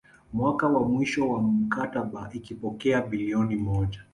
Mwaka wa mwisho wa mkataba ikipokea bilioni moja